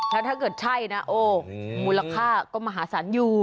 แล้วถ้าเกิดใช่นะโอ้มูลค่าก็มหาศาลอยู่